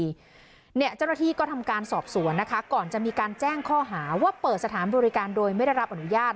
เจ้าหน้าที่ก็ทำการสอบสวนนะคะก่อนจะมีการแจ้งข้อหาว่าเปิดสถานบริการโดยไม่ได้รับอนุญาต